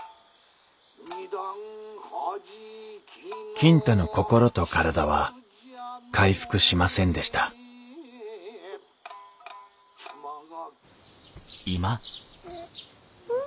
金太の心と体は回復しませんでしたうん。